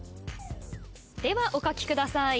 ではお書きください。